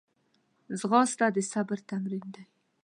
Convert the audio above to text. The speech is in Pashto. ځغاسته د صبر تمرین دی